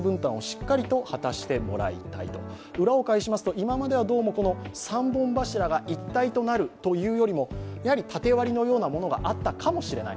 今まではどうも３本柱が一体となるというよりも縦割りのようなものがあったかもしれない。